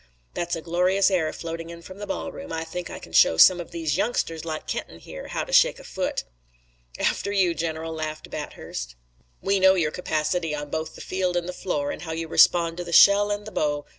That's a glorious air floating in from the ballroom. I think I can show some of these youngsters like Kenton here how to shake a foot." "After you, General," laughed Bathurst. "We know your capacity on both the field and the floor, and how you respond to the shell and the bow.